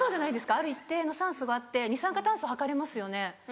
ある一定の酸素があって二酸化炭素吐かれますよね。